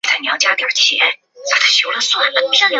紫缨乳菀是菊科紫菀属的植物。